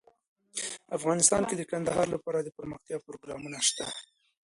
افغانستان کې د کندهار لپاره دپرمختیا پروګرامونه شته.